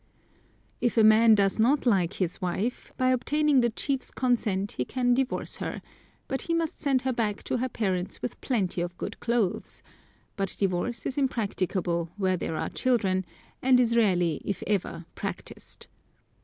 ] If a man does not like his wife, by obtaining the chief's consent he can divorce her; but he must send her back to her parents with plenty of good clothes; but divorce is impracticable where there are children, and is rarely if ever practised.